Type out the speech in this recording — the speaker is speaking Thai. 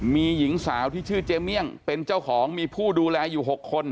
มีหญิงสาวที่ชื่อเจเมี่ยงเป็นเจ้าของมีผู้ดูแลอยู่๖คน